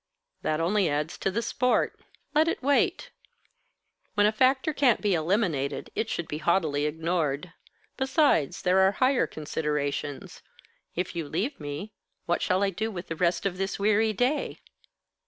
"That only adds to the sport. Let it wait. When a factor can't be eliminated, it should be haughtily ignored. Besides, there are higher considerations. If you leave me, what shall I do with the rest of this weary day?"